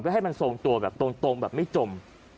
เพื่อให้มันทรงตัวแบบตรงไม่จม